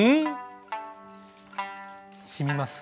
しみます。